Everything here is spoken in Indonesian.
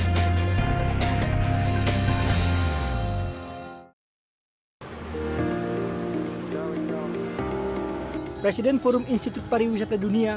kemenparekraf dinilai mampu mempromosikan budaya indonesia dalam waktu singkat